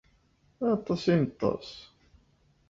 Aṭas i neṭṭeṣ.